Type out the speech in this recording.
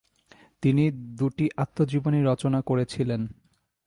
তিনি দুটি আত্মজীবনী রচনা করেছিলেন।